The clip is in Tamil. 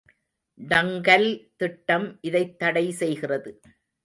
டங்கல் திட்டம் இதைத் தடை செய்கிறது.